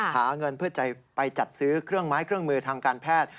หาเงินเพื่อจะไปจัดซื้อเครื่องไม้เครื่องมือทางการแพทย์